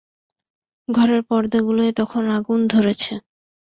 ঘরের পরদাগুলোয় তখন আগুন ধরেছে।